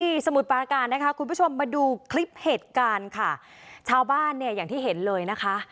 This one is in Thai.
สมุทรปราการนะคะคุณผู้ชมมาดูคลิปเหตุการณ์ค่ะชาวบ้านเนี่ยอย่างที่เห็นเลยนะคะ